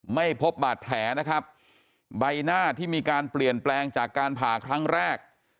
ไม่พบบาดแผลนะครับใบหน้าที่มีการเปลี่ยนแปลงจากการผ่าครั้งแรก